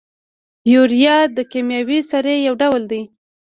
یوریا د کیمیاوي سرې یو ډول دی.